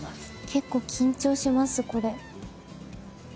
結構緊張しますこれ。